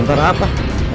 belum ada apa apa